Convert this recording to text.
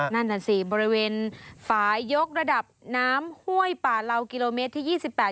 นั่นสิบริเวณฝายกระดับน้ำห้วยป่าลาวกิโลเมตรที่๒๘๒๙